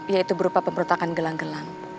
yaitu berupa pemberotakan gelang gelang